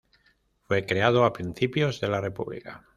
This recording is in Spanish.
Fue creado a principios de la República.